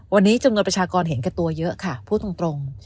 วันนี้จำนวนประชากรเห็นกับตัวเยอะค่ะพูดตรง